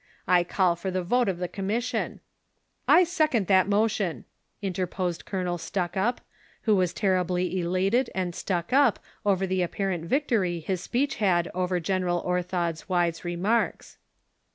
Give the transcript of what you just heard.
I call for the vote of the com mission "— "I second that motion," interposed Colonel Stuckup, who was terribly elated and stuck up over the apparent victory his speech had over General Orthod'swise remarks.